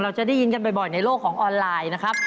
จะได้ยินกันบ่อยในโลกของออนไลน์นะครับ